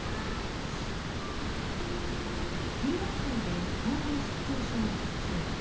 １６歳で統合失調症を発症。